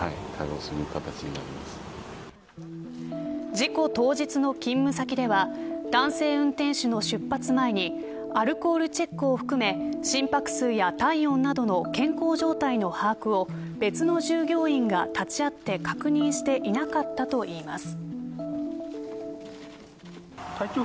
事故当日の勤務先では男性運転手の出発前にアルコールチェックを含め心拍数や体温などの健康状態の把握を別の従業員が立ち会って確認していなかったといいます。